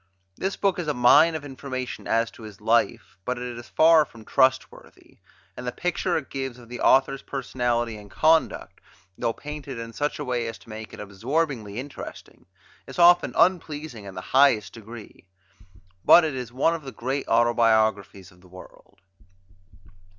This book is a mine of information as to his life, but it is far from trustworthy; and the picture it gives of the author's personality and conduct, though painted in such a way as to make it absorbingly interesting, is often unpleasing in the highest degree. But it is one of the great autobiographies of the world.